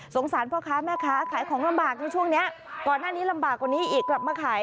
สงสารพ่อค้า